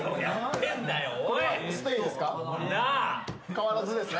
変わらずですね？